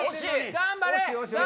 頑張れ！